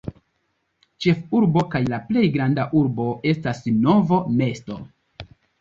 Ĉefurbo kaj la plej granda urbo estas Novo mesto.